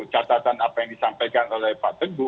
catatan apa yang disampaikan oleh pak teguh